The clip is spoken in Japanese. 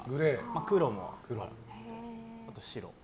黒も、あと白。